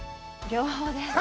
両方です。